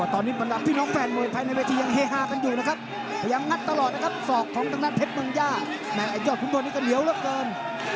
ต้องรีบตรงไว้ด้วย